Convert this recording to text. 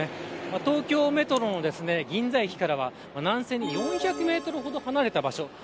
東京メトロの銀座駅から南西に４００メートルほど離れた場所。